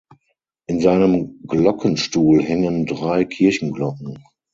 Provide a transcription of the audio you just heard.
In seinem Glockenstuhl hängen drei Kirchenglocken.